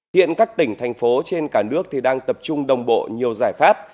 hiện các tỉnh thành phố trên cả nước đang tập trung đồng bộ nhiều giải pháp